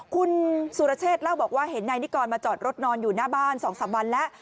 คุณสุรเชษเล่าบอกว่าเห็นนายนิกรมาจอดรถนอนอยู่หน้าบ้าน๒๓วันแล้ว